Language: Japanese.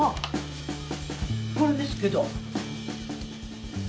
これですけど。